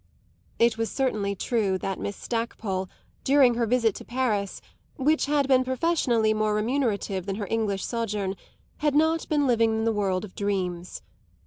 It was certainly true that Miss Stackpole, during her visit to Paris, which had been professionally more remunerative than her English sojourn, had not been living in the world of dreams.